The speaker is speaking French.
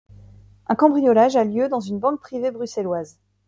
Un cambriolage a lieu dans une banque privée bruxelloise.